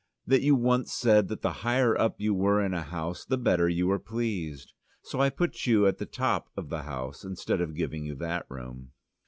that you once said that the higher up you were in a house the better you were pleased. So I put you at the top of the house, instead of giving you that room."